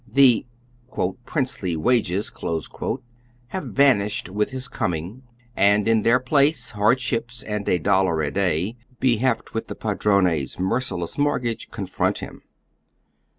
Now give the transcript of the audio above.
The " princely wages" have vanished with his coming, and in their place Iwrdships and a dollar a day, belieft with the padrone's merciless mortgage, confront him.